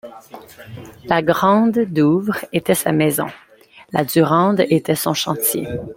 La grande Douvre était sa maison ; la Durande était son chantier.